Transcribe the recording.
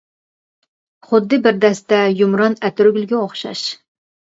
خۇددى بىر دەستە يۇمران ئەتىرگۈلگە ئوخشاش.